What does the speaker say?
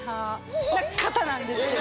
なんですけど。